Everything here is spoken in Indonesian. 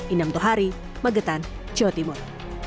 inam tohari magetan jawa timur